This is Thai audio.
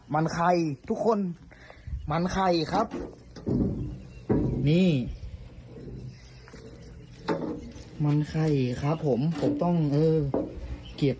วิวออกหมดแล้ว